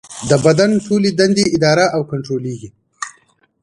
د بدن ټولې دندې اداره او کنټرولېږي.